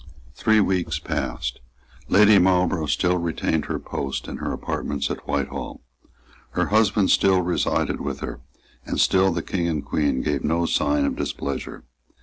Three weeks passed. Lady Marlborough still retained her post and her apartments at Whitehall. Her husband still resided with her; and still the King and Queen gave no sign of displeasure.